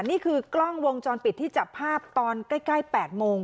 นี่คือกล้องวงจรปิดที่จับภาพตอนใกล้๘โมง